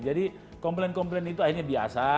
jadi komplain komplain itu akhirnya biasa